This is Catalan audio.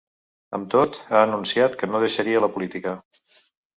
Amb tot, ha anunciat que no deixaria la política.